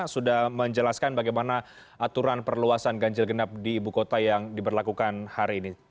sudah menjelaskan bagaimana aturan perluasan ganjil genap di ibu kota yang diberlakukan hari ini